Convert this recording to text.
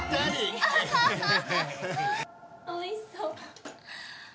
おいしそう！